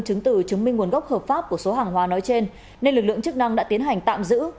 chứng từ chứng minh nguồn gốc hợp pháp của số hàng hóa nói trên nên lực lượng chức năng đã tiến hành tạm giữ